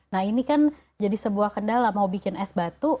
nah ini kan jadi sebuah kendala mau bikin es batu